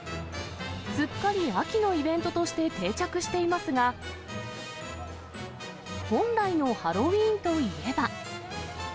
すっかり秋のイベントとして定着していますが、本来のハロウィーンといえば。